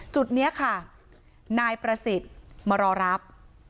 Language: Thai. จุดนี้ค่ะนายประสิทธิ์มารอรับ